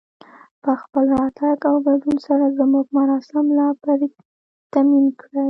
په خپل راتګ او ګډون سره زموږ مراسم لا پرتمين کړئ